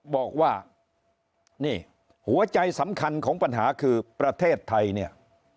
บอกว่าหัวใจสำคัญของปัญหาคือประเทศไทย